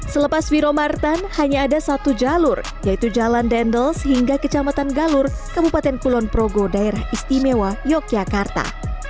selepas wiro martan hanya ada satu jalur yaitu jalan dendels hingga kecamatan galur kabupaten kulon progo daerah istimewa yogyakarta